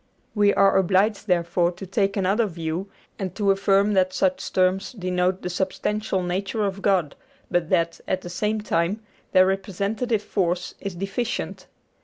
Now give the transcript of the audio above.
We are obliged, therefore, to take another view, and to affirm that such terms denote the substantial nature of God, but that, at the same time, their representative force is deficient.